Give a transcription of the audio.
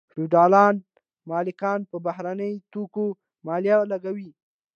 فیوډالي مالکانو په بهرنیو توکو مالیه لګوله.